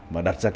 và đặt ra